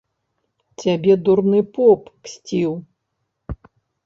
Цябе дурны поп ксціў!